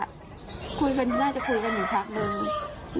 คุยกันน่าจะคุยกันอยู่พักนึง